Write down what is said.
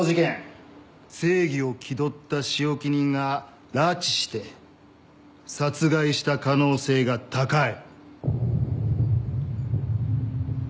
正義を気取った仕置き人が拉致して殺害した可能性が高い。